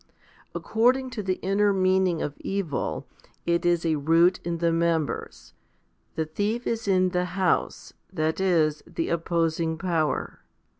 According to the inner meaning of evil, it is a root in the members ; the thief is in the house, that is, the opposing power.